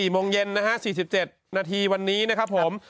โมงเย็นนะฮะ๔๗นาทีวันนี้นะครับผม